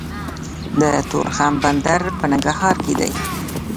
د تورخم بندر په ننګرهار کې دی